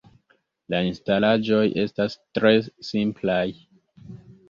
La instalaĵoj estas tre simplaj.